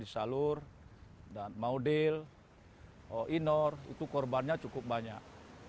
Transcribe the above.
salur dan maudil inor itu korbannya cukup banyak